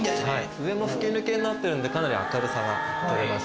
上も吹き抜けになってるんでかなり明るさが取れます。